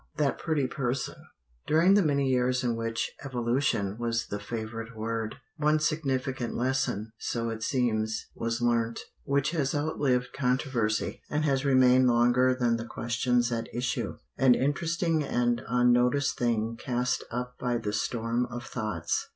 THAT PRETTY PERSON During the many years in which "evolution" was the favourite word, one significant lesson so it seems was learnt, which has outlived controversy, and has remained longer than the questions at issue an interesting and unnoticed thing cast up by the storm of thoughts.